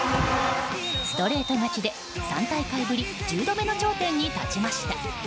ストレート勝ちで３大会ぶり１０度目の頂点に立ちました。